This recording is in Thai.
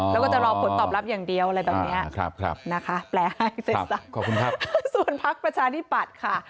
แล้วก็จะรอผลตอบรับอย่างเดียวอะไรแบบเนี้ยแปลให้ใส่ซักส่วนภาคประชานิปัตธ์ค่ะ